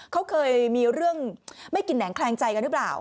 เขาเคยมีเรื่องไม่กินแหงแคลงใจกันหรือเปล่า